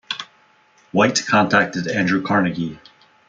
White contacted Andrew Carnegie.